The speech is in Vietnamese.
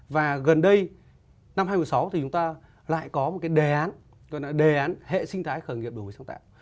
và gần đây năm hai nghìn một mươi sáu thì chúng ta lại có một cái đề án tôi nói đề án hệ sinh thái khởi nghiệp đổi mới sáng tạo